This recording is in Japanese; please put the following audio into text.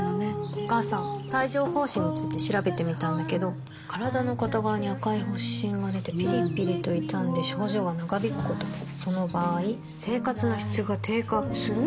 お母さん帯状疱疹について調べてみたんだけど身体の片側に赤い発疹がでてピリピリと痛んで症状が長引くこともその場合生活の質が低下する？